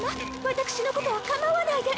私のことは構わないで。